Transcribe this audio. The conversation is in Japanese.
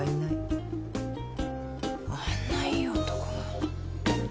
あんないい男が。